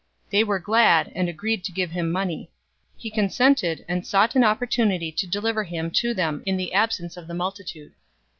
022:005 They were glad, and agreed to give him money. 022:006 He consented, and sought an opportunity to deliver him to them in the absence of the multitude.